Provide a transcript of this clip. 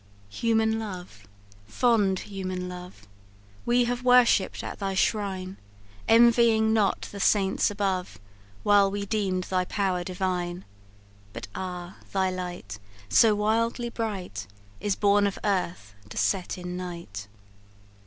"Human love! fond human love! We have worshipp'd at thy shrine; Envying not the saints above, While we deem'd thy power divine. But ah, thy light, So wildly bright, Is born of earth to set in night.